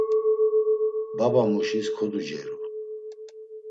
Babamuşis koduceru.